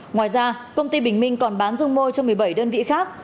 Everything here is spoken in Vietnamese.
ngoài ra công ty bình minh còn bán dung môi cho một mươi bảy đơn vị khác